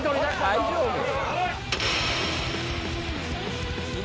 大丈夫や。